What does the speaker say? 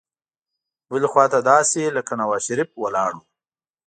بلې خوا ته داسې لکه نوزا شریف ولاړ وو.